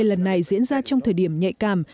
lần này diễn ra trong thời điểm nhạy cảm